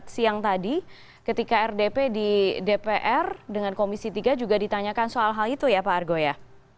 siang tadi ketika rdp di dpr dengan komisi tiga juga ditanyakan soal hal itu ya pak argo ya